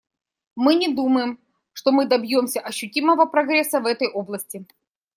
Мы не думаем, что мы добьемся ощутимого прогресса в этой области.